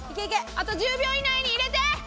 あと１０秒以内に入れて！